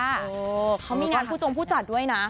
โอ้โหเขามีงานผู้จงผู้จัดด้วยนะ